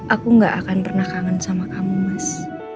aku gak akan pernah kangen sama kamu mas